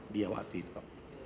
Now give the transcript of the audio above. dia waktu itu